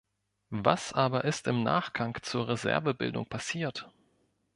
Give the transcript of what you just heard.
Was aber ist im Nachgang zur Reservebildung passiert?